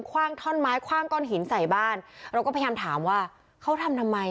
ว่างท่อนไม้คว่างก้อนหินใส่บ้านเราก็พยายามถามว่าเขาทำทำไม